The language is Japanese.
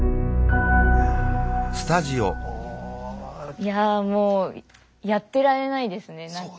いやもうやってられないですね何か。